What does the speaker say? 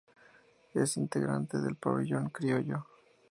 Es integrante del pabellón criollo.